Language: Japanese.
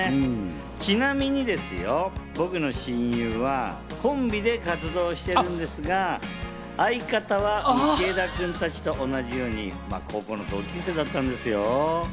ちなみにですよ、僕の親友はコンビで活動してるんですが、相方は道枝君たちと同じように高校の同級生だったのですよ。